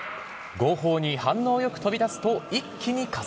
号砲に反応よく飛び出すと、一気に加速。